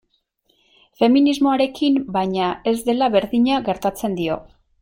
Feminismoarekin, baina, ez dela berdina gertatzen dio.